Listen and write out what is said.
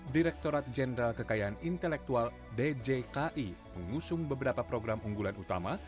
direkturat jenderal kekayaan intelektual djki mengusung beberapa program unggulan utama